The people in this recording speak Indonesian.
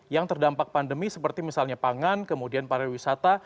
yang terdampak pandemi seperti misalnya pangan kemudian pariwisata